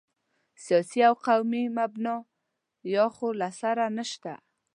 سیاسي او قومي مبنا یا خو له سره نشته.